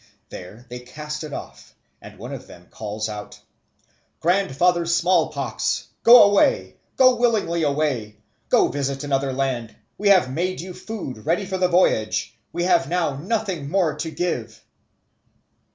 There they cast it off, and one of them calls out, "Grandfather Smallpox, go away go willingly away go visit another land; we have made you food ready for the voyage, we have now nothing more to give."